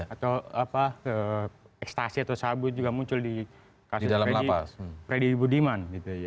atau ekstasi atau sabut juga muncul di kasus freddy budiman